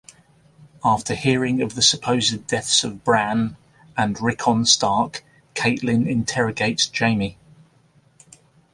After hearing of the supposed deaths of Bran and Rickon Stark, Catelyn interrogates Jaime.